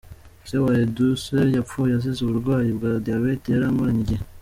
Se wa Edouce yapfuye azize uburwayi bwa diyabete yari amaranye igihe.